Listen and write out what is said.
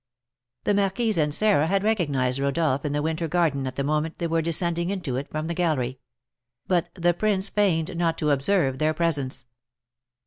The marquise and Sarah had recognised Rodolph in the winter garden at the moment they were descending into it from the gallery; but the prince feigned not to observe their presence.